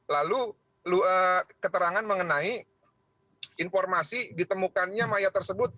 lalu keterangan mengenai informasi ditemukannya mayat tersebut